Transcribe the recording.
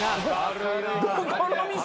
どこの店？